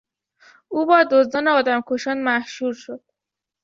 او با دزدان و آدمکشان محشور شد.